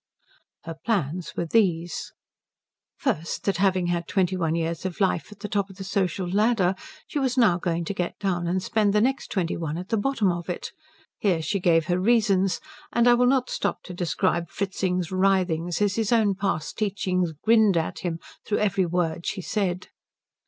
Her plans were these: First, that having had twenty one years of life at the top of the social ladder she was now going to get down and spend the next twenty one at the bottom of it. (Here she gave her reasons, and I will not stop to describe Fritzing's writhings as his own past teachings grinned at him through every word she said.)